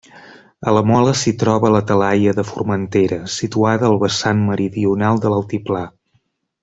A la Mola s'hi troba la Talaia de Formentera, situada al vessant meridional de l'altiplà.